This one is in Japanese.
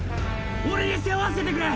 俺に背負わせてくれ！